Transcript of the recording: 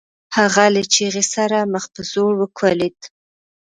هغه له چيغې سره مخ په ځوړ وکوليد.